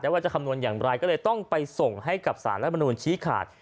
ว่าจะคำนวณอย่างไรก็เลยต้องไปส่งให้กับสารรัฐมนูลชี้ขาด